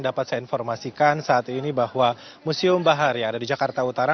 dapat saya informasikan saat ini bahwa museum bahar yang ada di jakarta utara